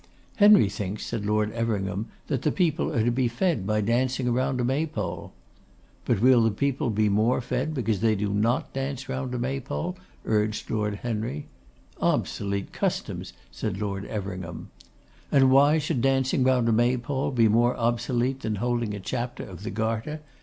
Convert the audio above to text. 'Henry thinks,' said Lord Everingham, 'that the people are to be fed by dancing round a May pole.' 'But will the people be more fed because they do not dance round a May pole?' urged Lord Henry. 'Obsolete customs!' said Lord Everingham. 'And why should dancing round a May pole be more obsolete than holding a Chapter of the Garter?